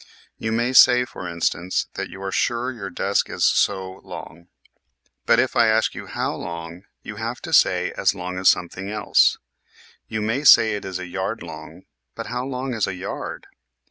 You may say, for instance, that you are sure your desk is so long. But if I ask you how long you have ARE YOU SURE OF YOUR SHAPE? 17 to say as long as something else. You may say it is a yard long. But how long is a yard